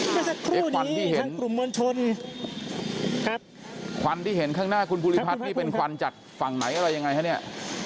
ก็จะคู่นี้ทางกลุ่มมวลชนครับควันที่เห็นข้างหน้าคุณบุริพัฒน์นี่เป็นควันจัดฝั่งไหนอะไรยังไงครับเนี้ย